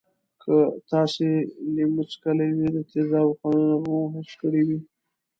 که تاسې لیمو څکلی وي د تیزابو خوند به مو حس کړی وی.